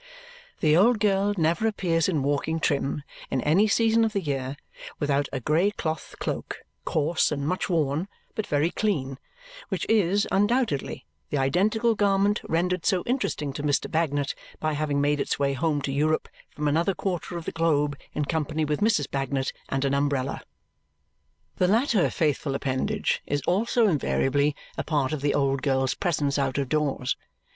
The old girl never appears in walking trim, in any season of the year, without a grey cloth cloak, coarse and much worn but very clean, which is, undoubtedly, the identical garment rendered so interesting to Mr. Bagnet by having made its way home to Europe from another quarter of the globe in company with Mrs. Bagnet and an umbrella. The latter faithful appendage is also invariably a part of the old girl's presence out of doors.